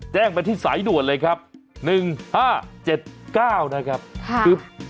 แจ้งไปที่สายด่วนเลยครับหนึ่งห้าเจ็ดเก้านะครับค่ะคือ